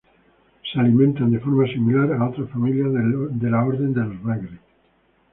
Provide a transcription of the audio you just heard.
Se alimentan de forma similar a otras familias del orden de los bagres.